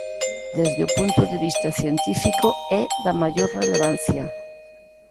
Desde o punto de vista científico é da maior relevancia.